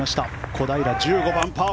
小平、１５番、パー